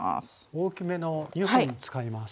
大きめの２本使います。